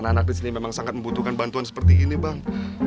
anak dua disini memang sangat membutuhkan bantuan seperti ini bang